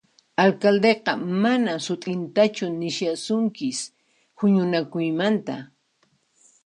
Alcaldeqa manan sut'intachu nishasunkis huñunakuymanta